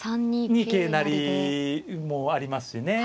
３二桂成もありますしね。